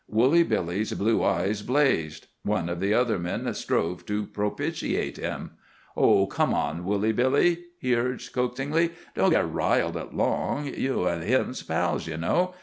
Woolly Billy's blue eyes blazed. One of the other men strove to propitiate him. "Oh, come on, Woolly Billy," he urged coaxingly, "don't git riled at Long. You an' him's pals, ye know.